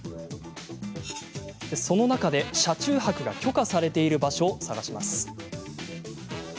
その中で、車中泊が許可されている場所を探します。